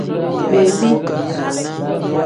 Bebi.